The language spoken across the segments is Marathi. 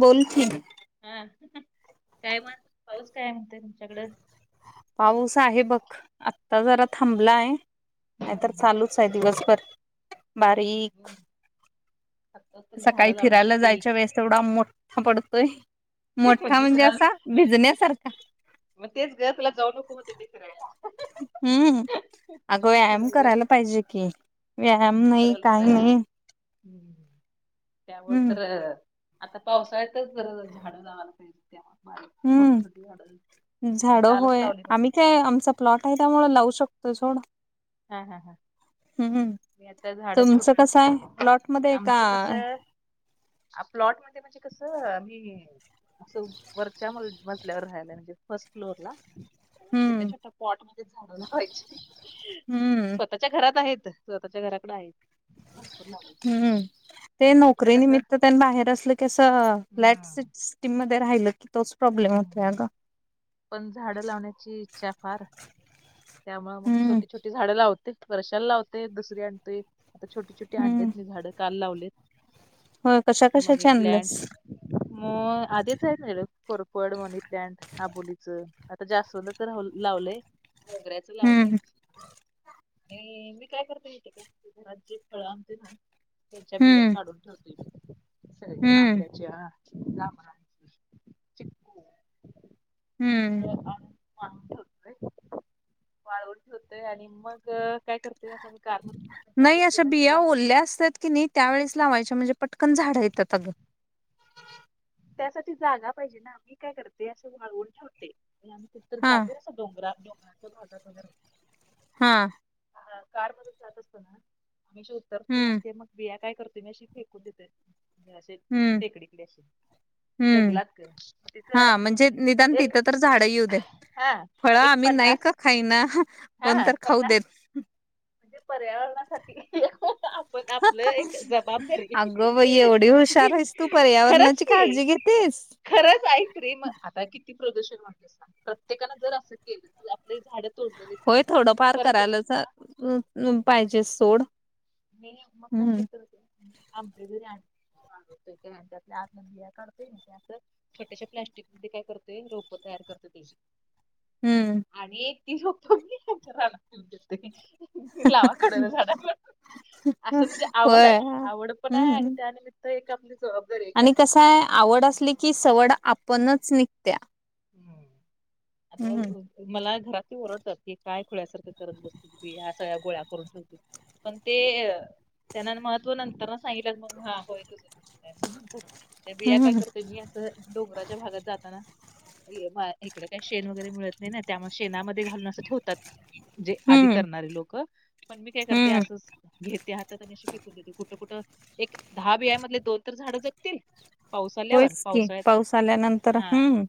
बोल की हा काय म्हण पाऊस काय म्हणते तुमच्याकडं पाऊस आहे बघ, आत्ता जरा थांबलाय नाही तर हम्म चालूच आहे दिवसभर. बारीक आता तर सकाळी झाडं फिरायला लावण्यासाठी जायच्या वेळेस ते एवढा मोठा पडतोय मोठा म्हणजे असा बिझनेस सारखा मग तेच गर तुला जाऊ नको होते ते फिरायला. हम्म, अगं व्यायाम फिरायला करायला जात पाहिजे कि व्यायाम नाही करायला काही पाहिजे नाही. [inaudible] त्यामुळे हम्म तर आता पावसाळ्याच बर झाडं लावायला पाहिजे तेव्हा बारीक छोटी छोटी झाडं मी झाडं कालच होय. लावली बघ. आम्ही काय आमचा प्लॉट आहे त्यामुळे लावू शकतो सोड. हां हां हां. हं हं. तुमचं कस आहे प्लॉट मध्ये का? आ प्लॉट मध्ये म्हणजे कसं मी असं वरच्या मजल्यावर राहायला, म्हणजे फर्स्ट फ्लोअर ला. आणि छोट्या हम्म छोट्या पॉट मध्ये झाड लावायची. हम्म स्वतःच्या घरात आहे. स्वतःच्या घराकड आहे भरपूर लावली. हं. ते नोकरीनमित्त त्यां बाहेर असलं की असं फ्लॅट हम्म सीस्टीम मध्ये राहिल तोच प्रॉब्लेम होतो अगं. पण झाडं लावण्याची इच्छा फार. त्यामुळे मग हम्म. छोटी छोटी झाडं ला लावते. वर्षाला लावते दुसरी आणतोय. आता छोटी छोटी हम्म आणतेेत ही झाडं काल लावलेत. होय, कशा कशाची आणलीस? म आधीच आहेत म्हणलं कोरपड, मनी प्लांट, आबोली. आता जास्वंद तर लावलंय, मोगऱ्याच लावलंय. हम्म. आणि मी काय करते? घरात जे फळं आणते ना त्याच्या बिया हम्म काढून ठेवते म. असं हम्म आंब्याच्या, जांभळाच्या, चिकू हं. वाळून ठेवतोय. वाळून ठेवतोय आणि मग, काय करतोय असं मी कारमध्ये जात नाही असते अशा ना बिया तेव्हा ओल्या असतात कि नाही, त्यावेेळेस लावायच्या म्हणजे पट कण झाडं येतात अग. त्यासाठी जागा पाहिजे ना आम्ही काय करते असे वाळवून ठेवते, कुठं तर हा जाते असं डोंगरात डोंगराच्या भागात वगैरे हां, ह कार मध्ये जात असतो ना मी अशी उतरतेय हम्म आणि ते मग बिया काय करते, मी अशी फेकून देते म्हणजे अशी हम्म टेकडीकडे अशी. [inaudible] जंगलात ग. म तिथ हा म्हणजे निदान एक तिथं तर झाडं येऊ देत. हा फळं एक आम्ही पनना नाही का खाई ना कोण तर खाऊ देत. म्हणजे पर्यावरणासाठी आपण आपलं एक जबाबदारी. अगं बाई एवढी हुशार आहेस तू खरच पर्यावरणाची की काळजी घेतेस. खरंच ऐक रे म आता किती प्रदूषण वाढलंय सांग. प्रत्येकाने जर अस केलं आपले झाडं तोडलेले ती होय, थोडं फार परत करायलाच अं अं पाहिजे सोड. मी मग काय हम्म करत होते मी आंबे जरी आणले [inaudible] आतमधल्या बिया काढते, आणि असं छोट्याश्या प्लस्टिक मध्ये काय करतेय रोप तयार करते त्याची. हं. ही रोपं ही घरच्या रानात नेऊन देतो. लावा कडेने झाडे. असं म्हणजे आवड आहे होय आवड पण आहे आणि हम्म त्यानिमित्त एक आपली सेवा पण आणि कसाय आवड असली की सवड आपणच निघत्या. आणि हम्म अं मला घरात ओरडतात की काय खुळ्यासारखं करत बसते. की या सगळ्या गोळ्या करून ठेवते. पण ते त्यांना महत्त्व नंतर ना सांगितलं मग हा होय तुझ बरोबर असं म्हणतात. ते बिया काय हम्म करतेय मी असं डोंगराच्या भागात जाताना ई मा इकडे काही शेन वगैरे मिळत नाही ना त्यामुळं शेणामध्ये घालून असं ठेवतात. जे आधी हम्म करणारे लोकं. पण मी काय करते हम्म असं घेते हातात आणि अशी फेकून देते कुठं कुठं. एक दहा बिया मधले दोन तर झाड जगतील. पाऊस आल्यावर होयच की पावसाळ्यात पाऊस आल्यानंतर हा हम्म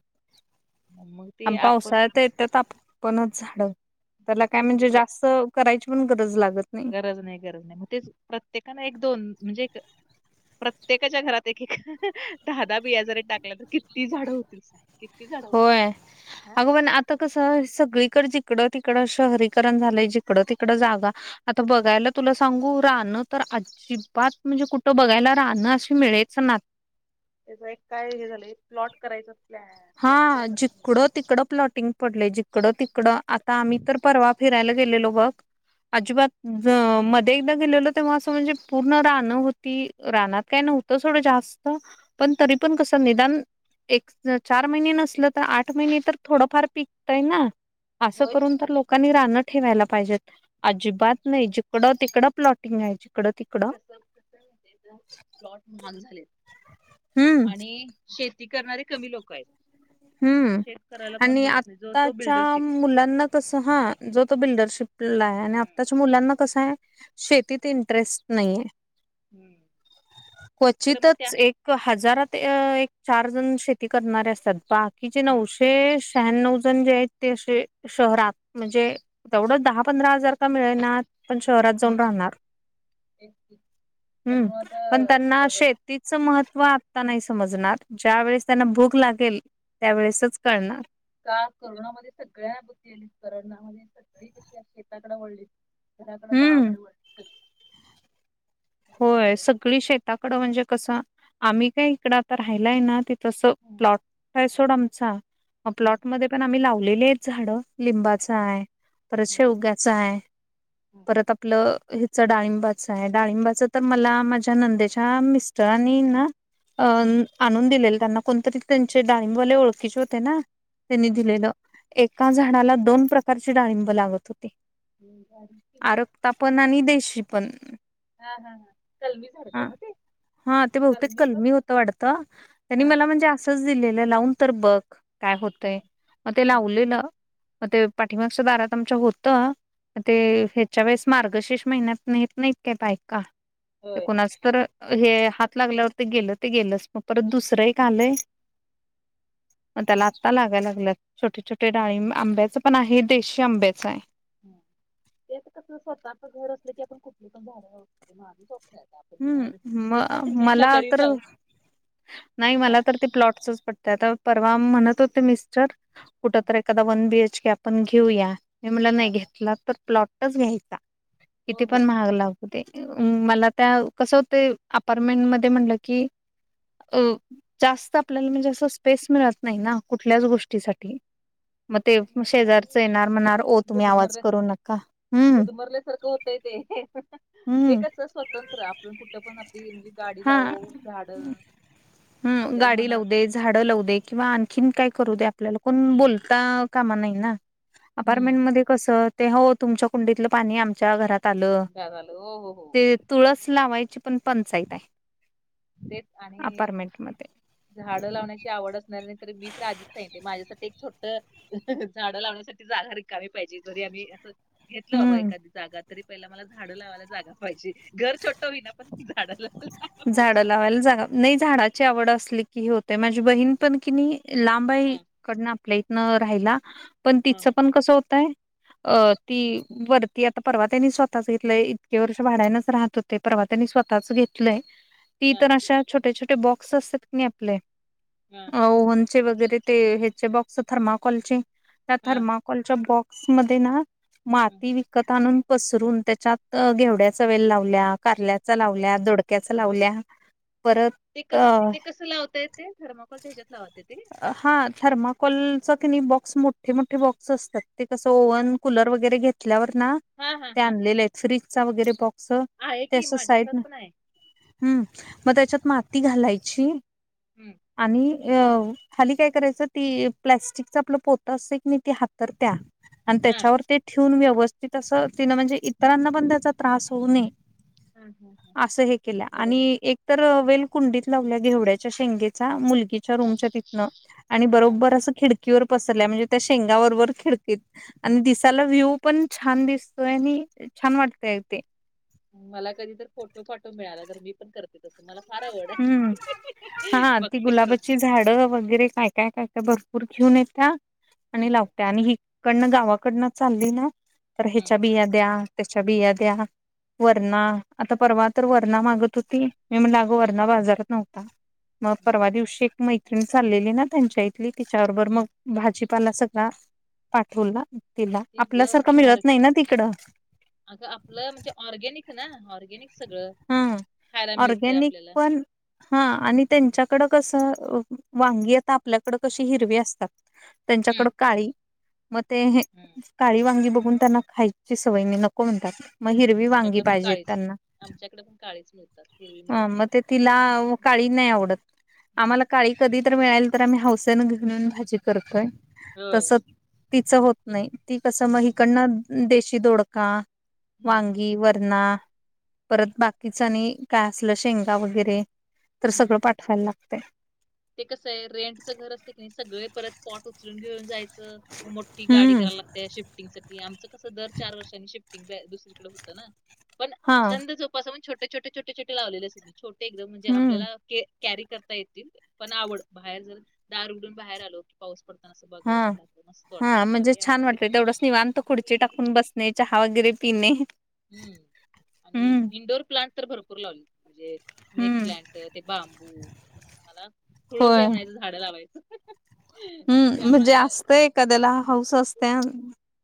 मग ते आम आपण पावसाळ्यात इथ ताप पणच झाड त्याला काय तेच म्हणजे प्र- जास्त करायची पण गरज लागत नाही गरज गरज नाही मग तेच प्रत्येकानं एक दोन म्हणजे प्रत्येकाच्या घरात एक दहादा बिया जरी टाक त्या तर किती झाडं होतील किती झाड होती होय हा तिकड तिकडं शहरीकरण झालंय जिकडं तिकड जागा आता बघायला तुला सांगू राहण तर अजिबात म्हणजे कुठं बघायला राहणं अशी मिळेच ना त्याच एक काय हे झालंय प्लॉट करायच हा जिकडं तिकडं प्लॉटिंग पडले जिकडं तिकडं आता आम्ही तर परवा फिरायला गेलेलो बघ अजिबात मध्ये एकदा गेलेल तेव्हा असं म्हणजे पूर्ण राणं होती रानात काय नव्हत थोडं जास्त पण तरी पण कस निदान एक चार महिने नसलं तर आठ महिने तर थोडंफार पीक येतंय ना असं होयच करून की तर लोकांनी राह ठेवायला पाहिजेत अजिबात नाही जिकडं तिकडं प्लॉटिंग आहेय [unintelligible] प्लॉट [unintelligible] झाले हम्म आणि शे ती करणारे कमी लोक आहेत तर हम्म शेत करायला कोण आणि बघत नाही जो तो आताच्या बिल्डरशिप मुलांना तस हा जो तो बिल्डरशिपला आहे आताच मुलांना कस आहे शेतीत इंटरेस्ट नाहीे खरं मग त्या क्वचितच एक हजार ते एक चार जण शेती करणारे असतात बाकीचे हम्म. नऊशे शहाण्याव जण जे आहेत ते अशे शहरात म्हणजे तेवढ दहा पंधरा जर का मिळणं पण शहरात जाऊन राहणार तेच की. हम्म त्यामुळे आता पण त्यांना बघल शेतीचं महत्व व आत्ता नाही समजणार ज्यावेेळेस त्यांना भूक लागेल त्यावेळेसच कळणार का करोनामध्ये सगळ्या अनुभूती आली करोनामध्ये सगळी कशी शेताकडे वढली कडे हम्म गावाकडे नाहीतर होय काय मग. सगळी शेताकडं म्हणजे कसं आम्ही काय इकडं आता राहिलाय ना त तसं हम्म, प्लॉट आहे सोड आमचा हम्म, प्लॉटमध्ये पण आम्ही लावलेली आहेत झाडं लिंबाचा आहे परत हम्म, हम्म, शेवग्याचा आहे हम्म, परत आपलं डाळिंबाच आहे डाळिंबाच तर मला माझ्या नंदेच्या मिस्टर आणि ना हम्म, अं आणून दिलेले त्यांना कोणतरी त्यांचे डाळंबवाले ओळखीचे होते ना त्यांनी हम्म, दिलेलं एका हम्म. झाडाला दोन प्रकारची डाळिंब लागत होती मी भारीच केलं. आरक्ता पण आणि देशी पण हा हा हा कलमी सारखं म ते हा ते बहुतेच कलमी होतं वाढतं त्यांनी हा हा मला म्हणजे असंच दिलेलं लावून तर बघ काय होतय हम्म. मग ते हम्म, लावलेलं म हम्म, ते पाठीमागच्या दारात आमच्या होत ते हम्म. ह्याच्या वेळेस मार्गशीर्ष महिन्यात नेत नाहीत काय बाईका ते होय. कोणाच तर हे हात लागल्यावर ते गेलं ते गेलंच मग परत दुसरं एक आलंय मग त्याला आत्ता लागायला लागल्यात छोटे छोटे हम्म. डाळीब आंब्याचं पण आहे देशी आंब्याचं आहे ह तेच कस स्वतःच घर असलं की आपण कुठली पण झाड लावू माझ स्वप्न आता आपण जेव्हा हम्म म रिटायरमेंटला मला घरी तर जाऊ नाही हा मला तर ते प्लॉटसच पटत आता परवा म्हणत होते मिस्टर कुठ हा तर एखादा वन बीएच के आपण घेऊया हे मला हा. नाही हा. घेतला तर प्लॉट घ्यायचा हो तिथे हो पण महाग लाव मला त्या कस होत अपार्टमेंट मध्ये म्हणलं की अ जास्त आपल्याला म्हणजे अस स्पेस मिळत नाही ना कुठल्याच गोष्टीसाठी मग ते तर मिळत नाही शेजारच आणि येणार म्हणार तुम्ही आवाज गुदमरल्या करू नका हम्म हम्म कस स्वतंत्र आप कुठे पण ते मंजे गाडी लावू, झाडं. हम् आपल्याला गाडी मनात लावू दे, झाडं लावू दे, किंवा आणखीन काय करू द्या. पल्याला कोण हम्म. बोलता कामा नाई ना. हम्म. अपार्टमेंट मध्ये कसं ते हो तुमच्या कुंडीतलं पाणी आमच्या घरात आलं. झालं हो हो हो ते तुळस लावाय पण पंचाईत आय. तेच आणि म झाड लावण्याची आवड असणार नाही तर मी आधीच सांगितलय माझ्यासाठी एक छोट झाडं लावण्यासाठी जागा रिकामी पाहिजे, जरी आम्ही असं घेतलं बाबा हम्म एखादी जागा तरी पहिला मला झाडं लावायला जागा पाहिजे, घर छोटं होईना पण झाड ला झाड लावायला जाग नाही झाडाची आवड असली की, हे होते माझी बहीण पण कि नाही लांब हाय हा ईकडनं आपल्या इथनं राहायला, पण हा तिचं हा पण कसं होतय? अ ती वरती आता परवा त्यांनी स्वतःच घेतलंय इतके वर्ष भाड्यानचं राहत हो ते परवा त्यांनी स्वतःच घेतलंय, ती हा तर अशा छोटे छोटे बॉक्स असतात, की नाही आपले. हा अ ओव्हनचे वगैरे ते ह्याचे बॉक्स थर्माकॉलचे. त्या हा, थर्माकलच्या बॉक्स मध्ये ना हा. माती विकत आणून पसरून त्याच्यात घेवड्याचा वेल लावल्या, कारल्याचा बघ लावल्या दोडक्याचा बघ लावल्या. परत ते कस ते कसं लावता येतय थर्माकॉलच्या ह्याच्यात लावते ती? कनइ बॉक्स मोठे मोठे बॉक्स असतात, ते कस का? ओव्हन कुलर वगैरे घेतल्यावर ना हा हा हा ते हा हा आणलेले आहेत, फ्रीजचा वगैरे बॉक्स आहे ते की असं माझ्या घरात साईडन पण आहे हम मग त्याच्यात माती घालायची, हम्म आणि अ खाली काय करायचं? ती प्लॅस्टिकच आपलं पोत असंय की नाही ती हातर त्या आणि हा त्याच्यावर ते ठेवून व्यवस्थित असं तिन म्हणजे इतरांना पण त्याचा त्रास होऊ नये हम. एकतर वेल कुंडीत लावल्या घेवड्याच्या शेंगेचा मु तिच्या हा बरोबर. रूमच्या तिथन आणि हा बरोबर असं खिडकी वर पसरल्या म्हणजे, त्या शेंगा बरोबर खिडकीत आणि दिसाला व्ह्यू पण छान दिसतोय आणि छान! वाटतय अगं ते. मला कधी तर फोटो पाठव मिळाला तर, मी पण करते. तसं मला फार आवड हम, आहे हा ती बघते करून गुलाबाची झाडं वगैरे काय काय काय काय भर पूर घेऊन येत्या आणि हम्म, लावल्या, आणि हिकडनं गावाकडनं चालली ना. तर हम्म, ह्याच्या बिया द्या त्याच्या बिया हम्म, द्या वरणा आता परवा तर वरणा मागत होती, मी म्हणल अगं हम्म, वरणा बाजारात नव्हता. मग परवा हम्म, दिवशी एक मैत्रिण चाललेली ना, त्यांच्या इथली तिच्या बरोबर हम्म. मग भाजी पाला सगळा पाठवला. तिला तेच ग आपल्यासारखं ऑर- मिळत नाही ना तिकडं अग आपलं म्हणजे ऑर्गेनिक ना ऑ हा ऑर्गनिक आपल्याला पण हा आणि त्यांच्याकड कसं वांगी आता आपल्याकड कशी हिरवी असतात, हम्म, त्यांच्याकड काळी मग ते हम्म. काळी वांगी बघून त्यांना खायची सवय नाही नको म्हणतात. मग हिरवी वांगी आमच्याकडे पण पाहिजेत काळीच त्यांना. आमच्याकडे पण काळीच मिळतात, हिरवी मिळत ह मग ते तिला नाहीत. काळी नाही आवडत हम्म, आम्हाला काळी कधी तर मिळाली तर, आम्ही हौसन घेऊन येवून भाजी करतोय. होय तस तिचं होत नाही, ती कस मग हम्म, हिकडन देशी दोडका हम्म, वांगी, वरणा परत बाकीचं आणि काय असलं, शेंगा वगैरे तर सगळं हम्म. पाठवायला लागतय. ते. ते कसं आहे रेंटचं घर असते की नाही, सगळे परत पॉट उचलून घेऊन जायच मोठी गाडी हम्म करायला लागते, शिफ्टिंग साठी आमचं कसं दर चार वर्षांनी शिफ्ट तिकडं दुसरीकडे होत ना, पण हा छंद जोपासाव म्हणून छोटे छोटे छोटे छोटे लावलेले असतात. छोटे एकदम म्हणजे हम्म आपल्याला कॅरी करता येतील पण आवड बाहेर जर दार उघडून बाहेर आलो की पाऊस पडतो हा हा म्हणजे छान आवडते वाटलं तेवढंच निवांत खुर्ची टाकून बसणे चहा वगैरे तन हम्म आणि इंडोर प्लांट तर भरपूर लावले म्हणजे स्नेक हम्म प्लांट ते बांबू मला फुळच होय आहे म्हणायचं झाड लावायचं हम्म म्हणजे त्यामुळे असतय एखाद्याला हाऊस असते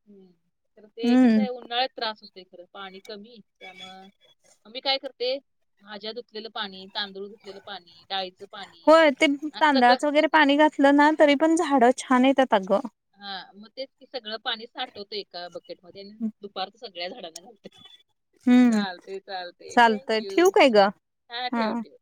हम् तर ते कस हम्म आहे उन्हाळ्यात त्रास होतो पाणी कमी त्यामु मी काय करते भाज्या धुतलेलं पाणी तांदूळ धुतलेलं पाणी डाळीचं पाणी होय ते असं सगळं तांदळाचं वगैरे पाणी घातलं ना तरी पण झाडं छान येतात अगं हा मग तेच सगळं पाणी साठवतो एका बकेटमध्येध्ये दुपार सगळ झाडाना घाते हम्म चालते चालते थँंक चालतंय ठेवू यू काय ग हा ठेव ठेव